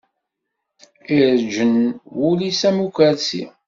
Iṛǧen wul-is, am ukurṣi.